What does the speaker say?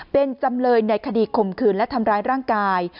เป็นจำเลยในคดีข่มขืนและทำร้ายร่างกาย